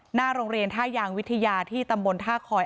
หน้าโรงเรียนท่ายางวิทยาที่ตำบลท่าคอย